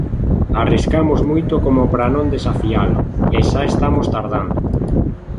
Arriscamos moito como para non desafialo, e xa estamos tardando.